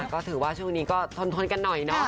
ก็ถือว่าช่วงนี้ก็ทนกันหน่อยเนาะ